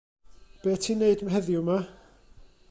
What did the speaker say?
Be' ti'n 'neud heddiw 'ma?